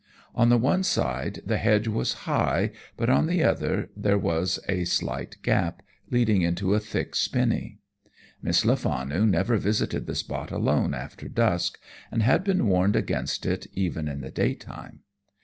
On the one side the hedge was high, but on the other there was a slight gap leading into a thick spinney. Miss Lefanu never visited the spot alone after dusk, and had been warned against it even in the daytime.